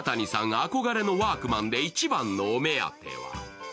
憧れのワークマンで一番のお目当ては？